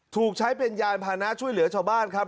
ถูกใช้เป็นยานพานะช่วยเหลือชาวบ้านครับ